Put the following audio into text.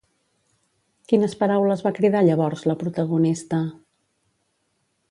Quines paraules va cridar llavors la protagonista?